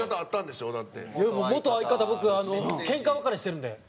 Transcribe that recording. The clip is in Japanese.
元相方僕ケンカ別れしてるんで。